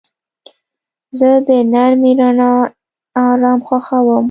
زه د نرمې رڼا آرام خوښوم.